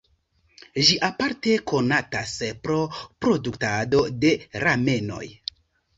Ĝi aparte konatas pro produktado de ramenoj.